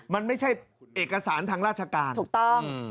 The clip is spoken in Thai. มันไม่ใช่เอกสารทางราชการถูกต้อง